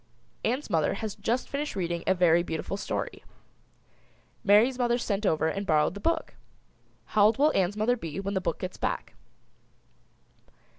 Ann's mother has just finished reading a very beautiful story. Mary's mother sent over and borrowed the book. How old will Ann's mother be when the book gets back?